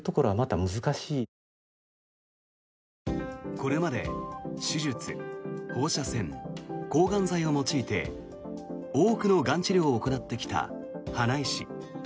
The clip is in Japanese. これまで手術、放射線、抗がん剤を用いて多くのがん治療を行ってきた花井氏。